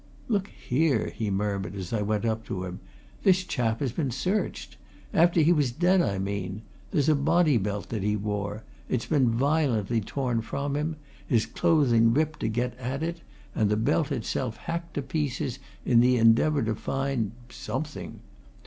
"Look here!" he murmured as I went up to him. "This chap has been searched! After he was dead, I mean. There's a body belt that he wore it's been violently torn from him, his clothing ripped to get at it, and the belt itself hacked to pieces in the endeavour to find something!